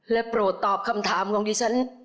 โปรดตอบคำถามของดิฉัน